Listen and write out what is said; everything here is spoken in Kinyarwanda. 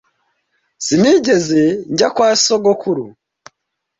Sinigeze njya kwa sogokuru.